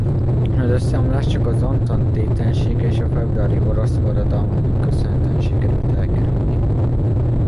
Az összeomlást csak az antant tétlensége és az februári orosz forradalomnak köszönhetően sikerült elkerülni.